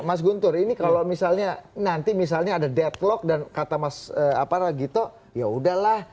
mas guntur ini kalau misalnya nanti misalnya ada deadlock dan kata mas ragito yaudahlah